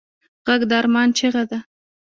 غږ د ارمان چیغه ده